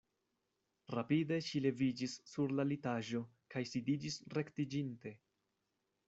Rapide ŝi leviĝis sur la litaĵo kaj sidiĝis rektiĝinte.